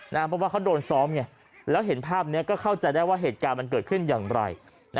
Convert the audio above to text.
เพราะว่าเขาโดนซ้อมไงแล้วเห็นภาพนี้ก็เข้าใจได้ว่าเหตุการณ์มันเกิดขึ้นอย่างไร